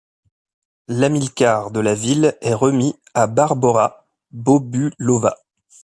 L'Amilcar de la ville est remis à Barbora Bobulova.